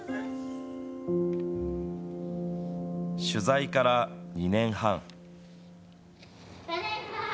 取材から２年半。